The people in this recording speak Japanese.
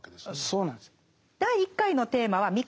そうなんです。